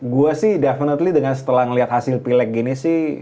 gue sih definately dengan setelah melihat hasil pilek gini sih